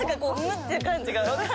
って感じが。